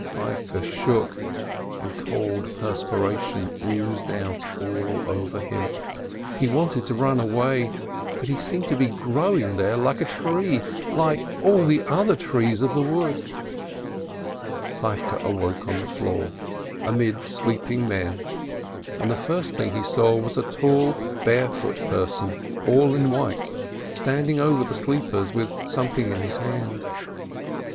Feivke shook, and cold perspiration oozed out all over him. He wanted to run away, but he seemed to be growing there like a tree, like all the other trees of the wood. Feivke awoke on the floor, amid sleeping men, and the first thing he saw was a tall, barefoot person all in white, standing over the sleepers with something in his hand.